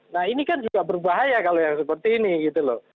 nah ini kan juga berbahaya kalau yang seperti ini gitu loh